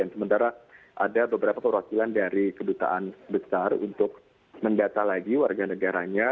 sementara ada beberapa perwakilan dari kedutaan besar untuk mendata lagi warga negaranya